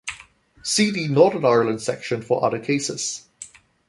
See the "Northern Ireland" section for other cases.